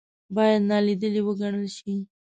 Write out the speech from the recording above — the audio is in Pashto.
باید نا لیدلې وګڼل شي.